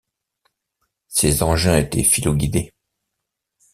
Ces engins étaient filoguidés.